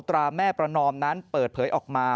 ตราแม่ประนอมนั้นเปิดเผยออกมา